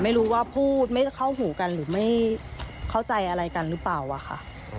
ไม่รู้ว่าพูดไม่เข้าหูกันหรือไม่เข้าใจอะไรกันหรือเปล่าอะค่ะ